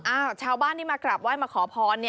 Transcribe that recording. ชาวบ้านที่มากราบไห้มาขอพร